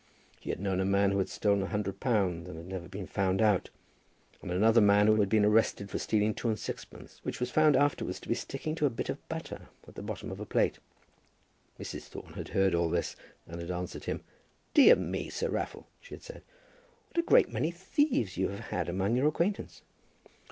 He had known a man who had stolen a hundred pounds, and had never been found out; and another man who had been arrested for stealing two and sixpence which was found afterwards sticking to a bit of butter at the bottom of a plate. Mrs. Thorne had heard all this, and had answered him, "Dear me, Sir Raffle," she had said, "what a great many thieves you have had among your acquaintance!"